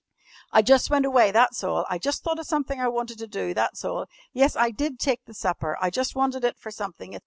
"I jus' went away, that's all! I jus' thought of something I wanted to do, that's all! Yes, I did take the supper. I jus' wanted it for something.